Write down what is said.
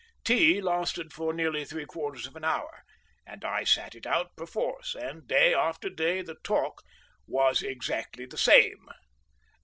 Tea lasted for nearly three quarters of an hour, and I sat it out perforce; and day after day the talk was exactly the same.